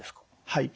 はい。